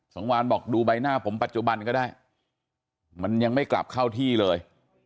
สังวานบอกดูใบหน้าผมปัจจุบันก็ได้มันยังไม่กลับเข้าที่เลย